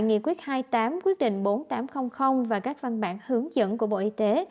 nghị quyết hai mươi tám quyết định bốn nghìn tám trăm linh và các văn bản hướng dẫn của bộ y tế